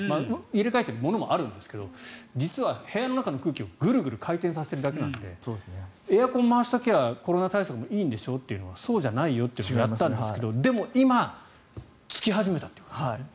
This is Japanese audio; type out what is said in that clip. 入れ替えているものもあるんですが実は部屋の中の空気をぐるぐる回転させているだけなのでエアコンを回しておけばコロナ対策もいいんでしょうというのはそうじゃないよというのをやったんですけどでも、今、つき始めたと。